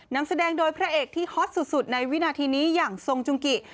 นำแสดงโดยพระเอกที่ฮอตสุดในวินาทีนี้อย่างทรงจุงกิ